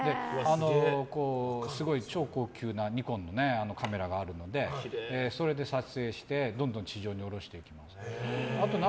すごい超高級なニコンのカメラがあるのでそれで撮影してどんどん地上に下ろして。